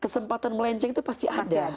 kesempatan melenceng itu pasti ada